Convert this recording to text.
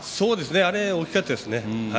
あれ、大きかったですね。